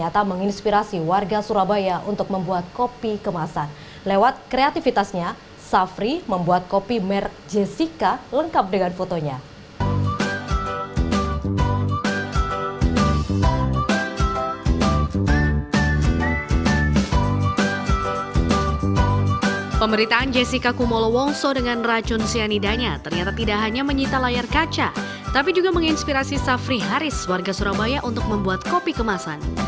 ternyata menginspirasi warga surabaya untuk membuat kopi kemasan